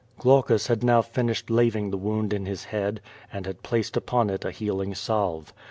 Glaucus had now finished laving the wound in his head, and had placed upon it a healing salve.